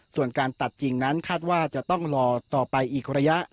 ส่วนการตัดจริงนั้นคาดว่าจะต้องรอต่อไปอีกระยะ